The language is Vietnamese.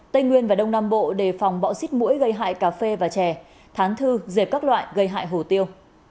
tây nguyên và đông nam bộ đề phòng bọ xít mũi gây hại cà phê và chè thán thư dẹp các loại gây hại hổ tiêu